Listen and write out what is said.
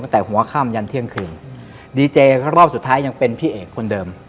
ตั้งแต่หัวค่ำยันเที่ยงคืนดีเจรอบสุดท้ายยังเป็นพี่เอกคนเดิม